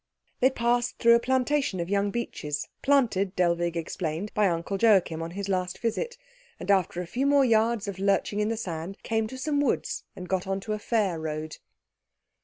They passed through a plantation of young beeches, planted, Dellwig explained, by Uncle Joachim on his last visit; and after a few more yards of lurching in the sand came to some woods and got on to a fair road.